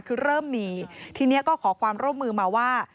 คือเริ่มมีทีนี้ก็ขอความร่วมมือมาว่า